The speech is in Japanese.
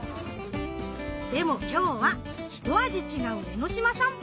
でも今日は一味違う江の島さんぽ。